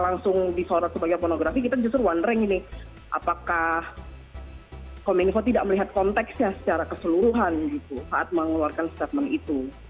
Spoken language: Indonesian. langsung disorot sebagai pornografi kita justru one ring ini apakah kominfo tidak melihat konteksnya secara keseluruhan gitu saat mengeluarkan statement itu